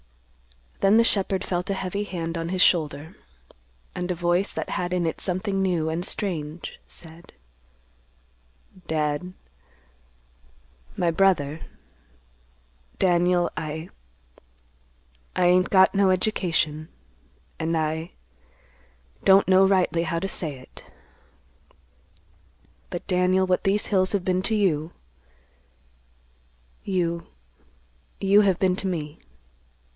Then the shepherd felt a heavy hand on his shoulder, and a voice, that had in it something new and strange, said, "Dad,—my brother,—Daniel, I—I ain't got no education, an' I—don't know rightly how to say it—but, Daniel, what these hills have been to you, you—you have been to me.